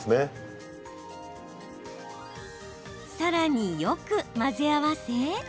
さらに、よく混ぜ合わせ。